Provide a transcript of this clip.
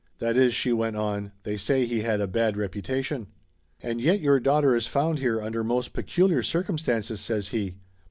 "That is," she went on, "they say he had a bad reputation." "And yet your daughter is found here under most peculiar circumstances," says he.